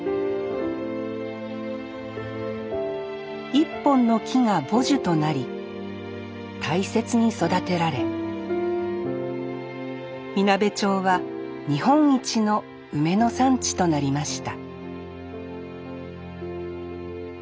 一本の木が母樹となり大切に育てられみなべ町は日本一の梅の産地となりました